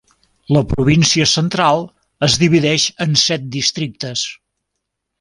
La província central es divideix en set districtes.